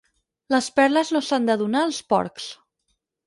Les perles no s'han de donar als porcs.